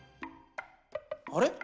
あれ？